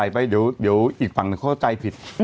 ไปเดี๋ยวอีกฝั่งเข้าใจผิด